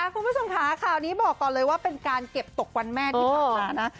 คุณผู้ชมค่ะข่าวนี้บอกก่อนเลยว่าเป็นการเก็บตกวันแม่ที่ผ่านมานะ